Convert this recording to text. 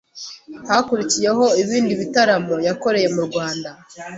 hakurikiyeho ibindi bitaramo yakoreye mu Rwanda